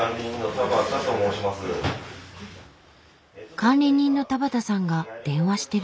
管理人の田畠さんが電話してる。